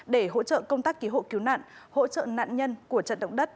để hỗ trợ công tác cứu hộ cứu nạn hỗ trợ nạn nhân của trận động đất